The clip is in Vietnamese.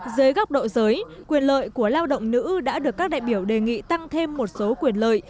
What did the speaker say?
dưới góc độ giới quyền lợi của lao động nữ đã được các đại biểu đề nghị tăng thêm một số quyền lợi